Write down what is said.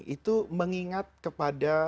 itu mengingat kepada